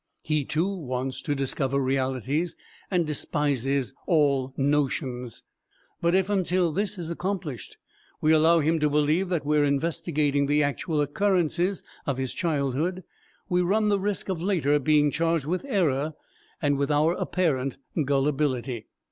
He, too, wants to discover realities, and despises all "notions." But if until this is accomplished we allow him to believe that we are investigating the actual occurrences of his childhood, we run the risk of later being charged with error and with our apparent gullibility.